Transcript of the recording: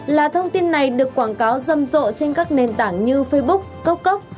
là thông tin này được quảng cáo râm rộ trên các nền tảng như facebook cốc